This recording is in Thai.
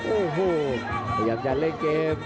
โอ้โหพยายามจะเล่นเกม